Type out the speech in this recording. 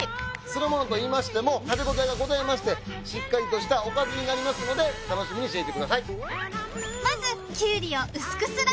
酢の物といいましても食べ応えがございましてしっかりとしたおかずになりますので楽しみにしていてください。